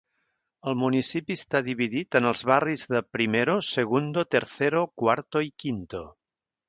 El municipi està dividit en els barris de Primero, Segundo, Tercero, Cuarto i Quinto.